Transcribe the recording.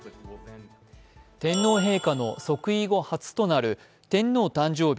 天皇陛下の即位後初となる天皇誕生日